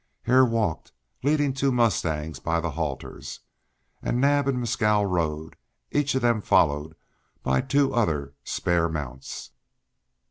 Hare walked, leading two mustangs by the halters, and Naab and Mescal rode, each of them followed by two other spare mounts.